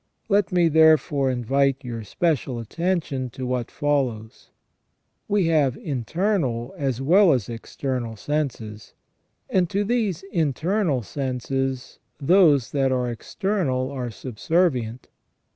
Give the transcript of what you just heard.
Let me, therefore, invite your special attention to what follows. We have internal as well as external senses, and to these internal senses those that are external are subservient.